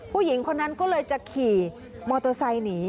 ผู้หญิงคนนั้นก็เลยจะขี่มอเตอร์ไซค์หนี